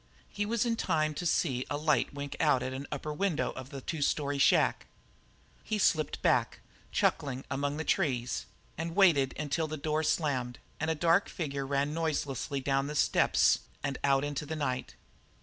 He was in time to see a light wink out at an upper window of the two story shack. He slipped back, chuckling, among the trees, and waited until the back door slammed and a dark figure ran noiselessly down the steps and out into the night.